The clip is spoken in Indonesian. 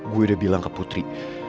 gue udah bilang ke putri